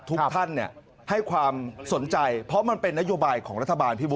ทุกท่านให้ความสนใจเพราะมันเป็นนโยบายของรัฐบาลพี่บุ๊